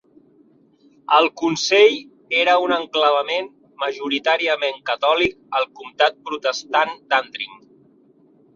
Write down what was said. El consell era un enclavament majoritàriament catòlic al comtat protestant d'Antrim.